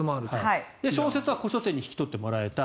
小説は古書店に引き取ってもらえた。